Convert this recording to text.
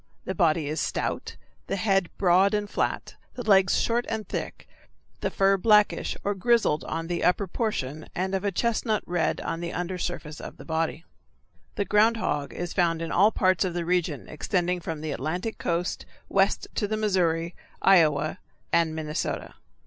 The body is stout, the head broad and flat, the legs short and thick, the fur blackish or grizzled on the upper portion and of a chestnut red on the under surface of the body. The ground hog is found in all parts of the region extending from the Atlantic coast west to the Missouri, Iowa, and Minnesota.